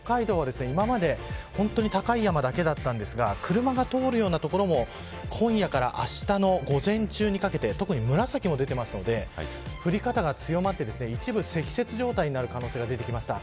特に北海道は、今まで高い山だけだったんですが車が通るような所も今夜からあしたの午前中にかけて特に紫も出ているので降り方が強まって、一部積雪状態になる可能性が出てきました。